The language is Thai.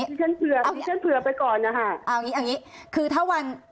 ดิฉันเผื่อดิฉันเผื่อไปก่อนนะคะเอาอย่างงี้เอาอย่างงี้คือถ้าวัน